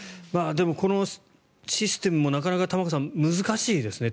でも、このシステムもなかなか玉川さん難しいですね。